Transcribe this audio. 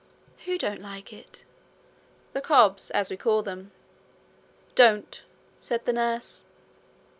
'Who don't like it?' 'The cobs, as we call them.' 'Don't!' said the nurse.